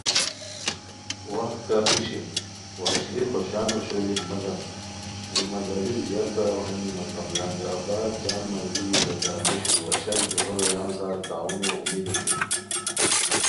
وخت کافی شیر وشلی خوشان اوشوئے مگم ذمہ داری زیاد باؤ ہانی مگم لنگر آباد جم ملگیری وا گرامبیشو وا شک دیہو رویان سارتعاونو امید اوشوئے